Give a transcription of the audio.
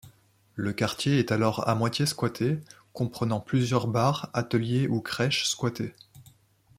Le quartier est alors à moitié squatté, comprenant plusieurs bars, ateliers ou crèches squattés.